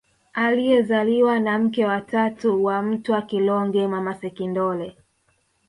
Aliyezaliwa na mke wa tatu wa Mtwa Kilonge Mama Sekindole